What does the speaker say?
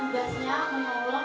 dan itu ingatnya